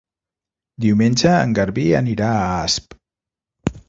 Diumenge en Garbí anirà a Asp.